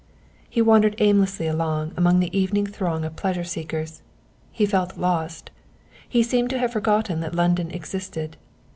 He wandered aimlessly along among the evening throng of pleasure seekers. He felt lost, he seemed to have forgotten that London existed.